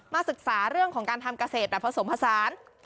ศึกษาเรื่องของการทำเกษตรแบบผสมผสาน